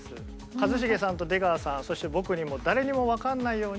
一茂さんと出川さんそして僕にも誰にもわかんないように。